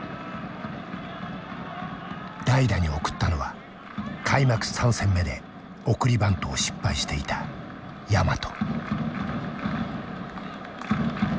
代打に送ったのは開幕３戦目で送りバントを失敗していた大和。